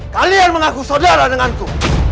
kalian mengaku saudara denganku